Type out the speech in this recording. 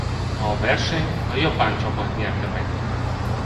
A versenyt a japán csapat nyerte meg.